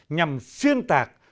nhằm xuyên tạc